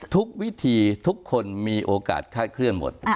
ทุกวิธีทุกคนมีโอกาสคาดเคลื่อนหมด